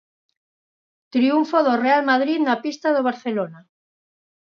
Triunfo do Real Madrid na pista do Barcelona.